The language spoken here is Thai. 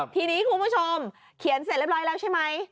ทีนี้คุณผู้ชมเขียนเสร็จเรียบร้อยแล้วใช่ไหม